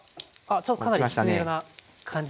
ちょっとかなりきつね色な感じに。